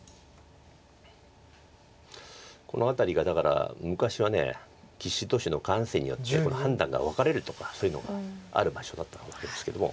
この辺りがだから昔は棋士同士の感性によって判断が分かれるとかそういうのがある場所だったんですけども。